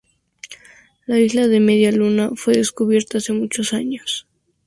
La isla de Media Luna, fue descubierta hace muchos años.